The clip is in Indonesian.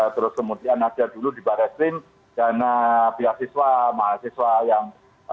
terus kemudian ada dulu di baratrim dana pihak siswa mahasiswa yang